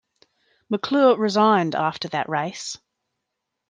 McClure resigned after that race.